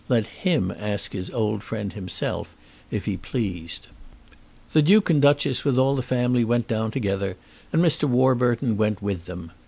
Let him ask his old friend himself if he pleased. The Duke and Duchess with all the family went down together, and Mr. Warburton went with them.